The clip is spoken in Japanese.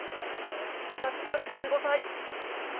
しかし、３５歳。